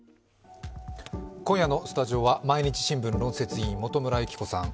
今夜のスタジオは毎日新聞論説委員、元村有希子さん